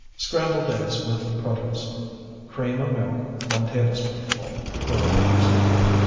SCRAMBLED EGGS WITH PROTOSE Cream or milk, 1 tablespoonful (for one person).